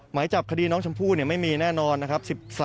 หมายจับคดีน้องชมพู่ไม่มีแน่นอนนะครับ